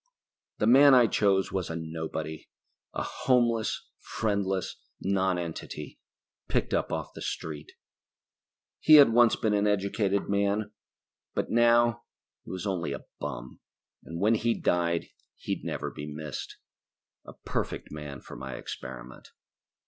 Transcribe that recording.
The man I chose was a nobody. A homeless, friendless non entity, picked up off the street. He had once been an educated man. But now he was only a bum, and when he died he'd never be missed. A perfect man for my experiment.